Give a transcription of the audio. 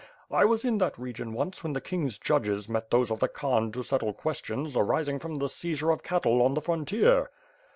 I was in that region once when the King's judges met those of the Khan to settle questions, arising from the seizure of cattle on the frontier.